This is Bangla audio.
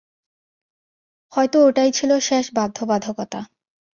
হয়তো ওটাই ছিল শেষ বাধ্যবাধকতা।